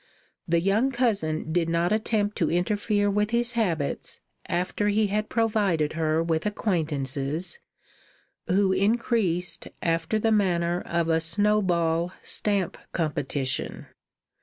The young cousin did not attempt to interfere with his habits after he had provided her with acquaintances, who increased after the manner of a "snowball" stamp competition.